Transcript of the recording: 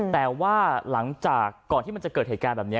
แต่ว่าหลังจากก่อนที่มันจะเกิดเหตุการณ์แบบนี้